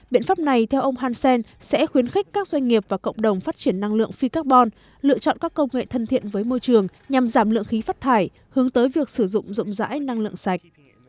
biện pháp này theo ông hansen sẽ khuyến khích các doanh nghiệp và cộng đồng phát triển năng lượng phi carbon lựa chọn các công nghệ thân thiện với môi trường nhằm giảm lượng khí phát thải hướng tới việc sử dụng rộng rãi năng lượng sạch